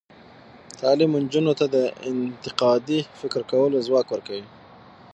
تعلیم نجونو ته د انتقادي فکر کولو ځواک ورکوي.